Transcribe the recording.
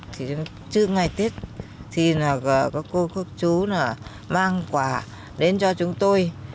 trước ngày tết thì có cô khúc chú mang quà đến cho chúng tôi